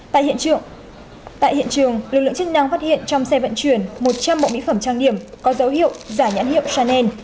tại hiện trường lực lượng chức năng phát hiện trong xe vận chuyển một trăm linh bộ mỹ phẩm trang điểm có dấu hiệu giả nhãn hiệu chanel